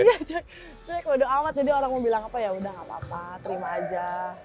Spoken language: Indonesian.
iya cuek cuek bodo amat jadi orang mau bilang apa yaudah nggak apa apa terima aja